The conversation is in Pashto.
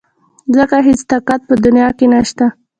ځکه هېڅ طاقت په دنيا کې نشته .